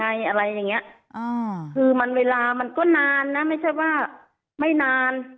อะไรอะไรอย่างเงี้ยอ่าคือมันเวลามันก็นานนะไม่ใช่ว่าไม่นาน